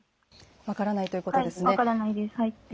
分からないということですね。